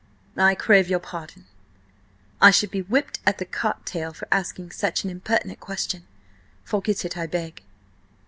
"I crave your pardon. I should be whipped at the cart tail for asking such an impertinent question. Forget it, I beg."